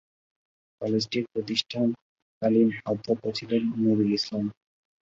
কলেজটির প্রতিষ্ঠাকালীন অধ্যক্ষ ছিলেন নূরুল ইসলাম।